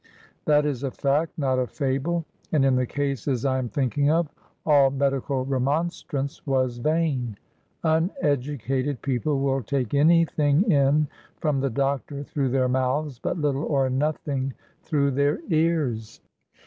That is a fact, not a fable; and, in the cases I am thinking of, all medical remonstrance was vain. Uneducated people will take any thing in from the doctor through their mouths, but little or nothing through their ears.